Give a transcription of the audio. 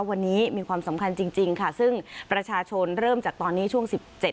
วันนี้มีความสำคัญจริงจริงค่ะซึ่งประชาชนเริ่มจากตอนนี้ช่วงสิบเจ็ด